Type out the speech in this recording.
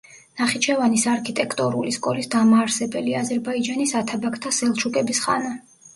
ნახიჩევანის არქიტექტორული სკოლის დამაარსებელი, აზერბაიჯანის ათაბაგთა სელჩუკების ხანა.